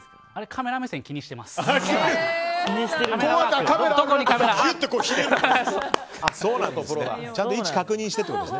カメラ目線は気にしています。